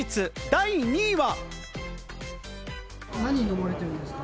第２位は？